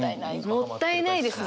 「もったいない」ですね。